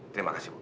terima kasih bu